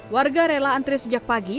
warga rela antre sejak pagi